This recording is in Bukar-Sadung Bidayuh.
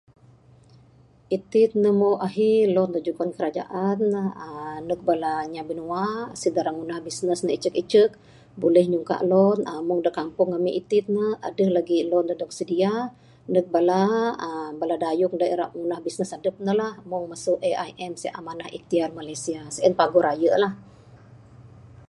Iti ne moh ahi loan dok jugan kerajaan aaa ndek bala inya binua esih dak ira ngundah business icek-icek buleh nyungka loan aaa mung dak kampung ami iti ne deh legi loan dedek dok sedia ndek aaa bala dayung ira ngundah business adep ne lah. Mung mesu AIM Amanah Iktihar Malaysia sien paguh rayelah.